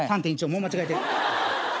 もう間違えてる。